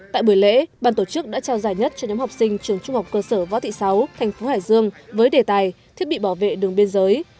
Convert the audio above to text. tại buổi lễ ban tổ chức đã trao giải nhất cho nhóm học sinh trường trung học cơ sở võ thị sáu thành phố hải dương với đề tài thiết bị bảo vệ đường biên giới